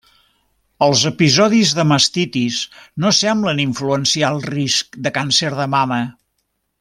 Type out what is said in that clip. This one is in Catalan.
Els episodis de mastitis no semblen influenciar el risc de càncer de mama.